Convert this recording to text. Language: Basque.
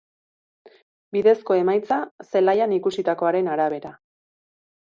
Bidezko emaitza, zelaian ikusitakoaren arabera.